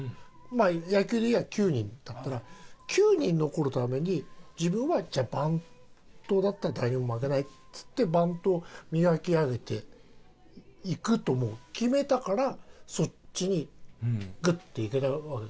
野球でいえば９人だったら９人残るために自分はじゃあバントだったら誰にも負けないっつってバントを磨き上げていくともう決めたからそっちにグッていけたわけでしょ。